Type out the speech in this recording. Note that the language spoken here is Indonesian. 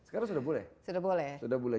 sekarang sudah boleh